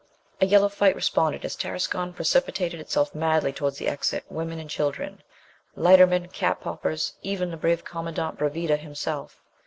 A yell of fright responded, as Tarascon precipitated itself madly towards the exit, women and children, lightermen, cap poppers, even the brave Commandant Bravida himself.